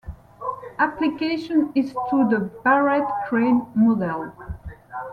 Application is to the Barrett-Crane model.